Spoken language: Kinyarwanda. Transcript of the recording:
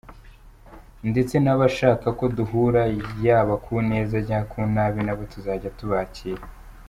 Ndetse n’abashaka ko duhura yaba ku neza cyangwa ku nabi nabo tuzajya tubakira.